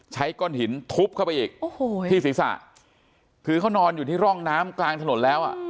ก้อนหินทุบเข้าไปอีกโอ้โหที่ศีรษะคือเขานอนอยู่ที่ร่องน้ำกลางถนนแล้วอ่ะ